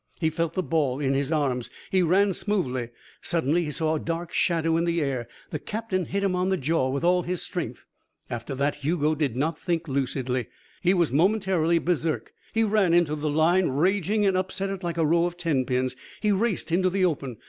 He felt the ball in his arms. He ran smoothly. Suddenly he saw a dark shadow in the air. The captain hit him on the jaw with all his strength. After that, Hugo did not think lucidly. He was momentarily berserk. He ran into the line raging and upset it like a row of tenpins. He raced into the open.